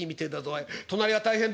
隣は大変だ」。